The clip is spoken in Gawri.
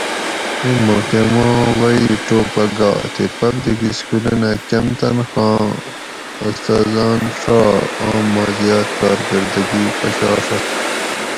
اِیں محکمہ ووئ ٹوپہ گا تے پبلک سکولونہ کٞم تنخواہ آٞں استاٞذٞان ݭا اوم ما زیات کارکِردگی پشاݭت